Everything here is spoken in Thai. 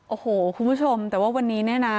โอ้โหคุณผู้ชมแต่ว่าวันนี้เนี่ยนะ